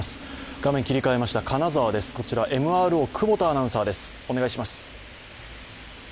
画面切り替えました、金沢です、ＭＲＯ久保田アナウンサーです。